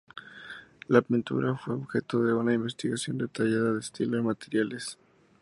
La pintura fue objeto de una investigación detallada de estilo y materiales.